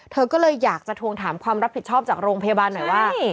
เธอก็เลยอยากจะทวงถามความรับผิดชอบจากโรงพยาบาลหน่อยว่า